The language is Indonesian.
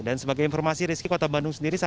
dan sebagai informasi risiko kota bandung sendiri